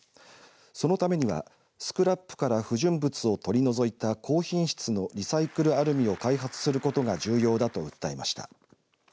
そのためにはスクラップから不純物を取り除いた高品質のリサイクルアルミを開発することが重要だと訴えました。